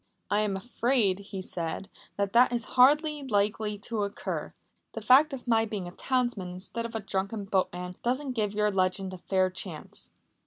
"I am afraid," he said, "that that is hardly likely to occur. The fact of my being a townsman instead of a drunken boatman doesn't give your legend a fair chance!"